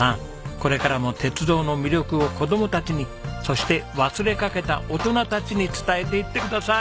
これからも鉄道の魅力を子供たちにそして忘れかけた大人たちに伝えていってください。